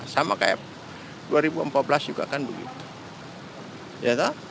sama kayak dua ribu empat belas juga kan begitu